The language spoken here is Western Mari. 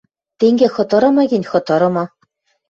— Тенге хытырымы гӹнь, хытырымы.